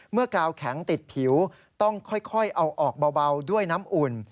กาวแข็งติดผิวต้องค่อยเอาออกเบาด้วยน้ำอุ่น